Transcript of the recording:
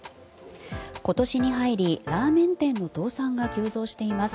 今年に入りラーメン店の倒産が急増しています。